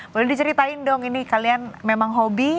boleh diceritain dong ini kalian memang hobi